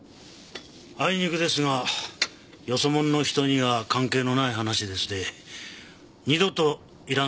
あいにくですがよそ者の人には関係のない話ですて二度といらん